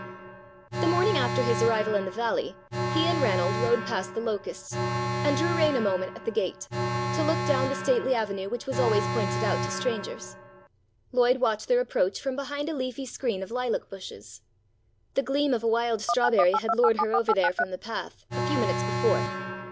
The morning after his arrival in the Valley, he and Ranald rode past the Locusts, and drew rein a moment at the gate, to look down the stately avenue which was always pointed out to strangers. Lloyd watched their approach from behind a leafy screen of lilac bushes. The gleam of a wild strawberry had lured her over there from the path, a few minutes before.